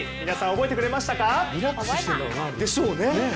皆さん覚えてくれましたか？